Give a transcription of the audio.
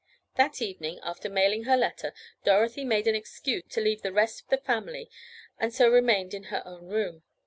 That evening, after mailing her letter, Dorothy made an excuse to leave the rest of the family and so remained in her own room.